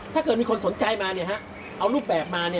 ถ้าเกิดมีคนสนใจมาเอารูปแบบมา